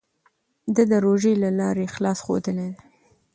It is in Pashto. ده د روژې له لارې اخلاص ښودلی دی.